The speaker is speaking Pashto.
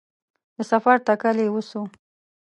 د سفر تکل یې وسو